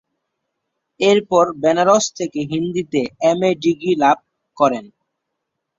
এরপর বেনারস থেকে হিন্দিতে এমএ ডিগ্রি লাভ করেন।